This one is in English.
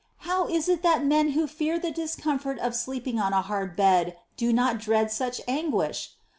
How is it, that men who fear the discomfort of sleeping on a hard bed, do not dread such anguish